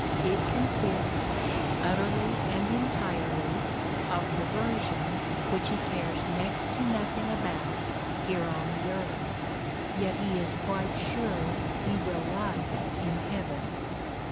It consists — utterly and entirely — of diversions which he cares next to nothing about here on the earth, yet he is quite sure he will like in heaven.